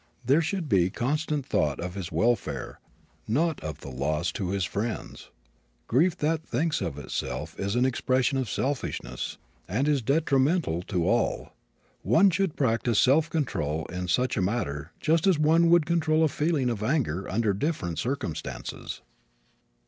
There should be constant thought of his welfare, not of the loss to his friends. Grief that thinks of itself is an expression of selfishness and is detrimental to all. One should practice self control in such a matter just as one would control a feeling of anger under different circumstances.